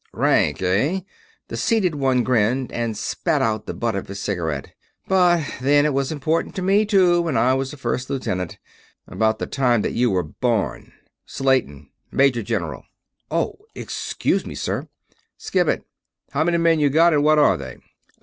"Rank, eh?" The seated one grinned and spat out the butt of his cigarette. "But then, it was important to me, too, when I was a first lieutenant about the time that you were born. Slayton, Major General." "Oh ... excuse me, sir...." "Skip it. How many men you got, and what are they?"